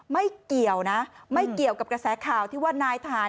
ไม่เกี่ยวนะไม่เกี่ยวกับกระแสข่าวที่ว่านายทหาร